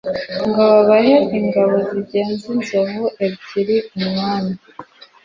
ngo babahe ingabo zigenza inzovu ebyiri umwami